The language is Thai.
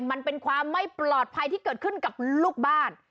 มันเป็นความไม่ปลอดภัยที่เกิดขึ้นกับลูกบ้าน